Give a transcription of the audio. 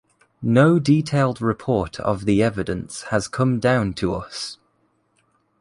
No detailed report of the evidence has come down to us.